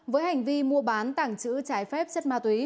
với hành vi mua bán tảng chữ trái phép chất ma túy